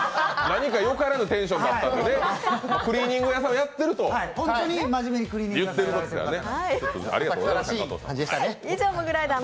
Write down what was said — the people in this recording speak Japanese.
何かよからぬテンションやったのね、クリーニング屋さんをやってると言っていますからね。